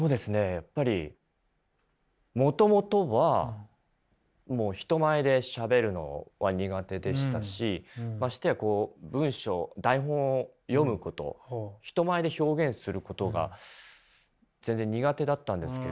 やっぱりもともとは人前でしゃべるのは苦手でしたしましてや文章台本を読むこと人前で表現することが全然苦手だったんですけど。